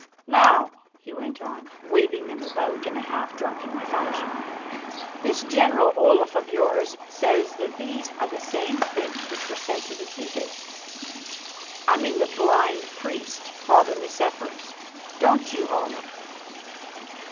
"Now," he went on, waving them about in a half drunken fashion, "this General Olaf of yours says that these are the same figs which were sent to the Cæsar, I mean the blind priest, Father Nicephorus. Don't you, Olaf?"